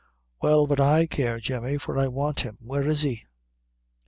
"Well, but I care, Jemmy, for I want him. Where is he?"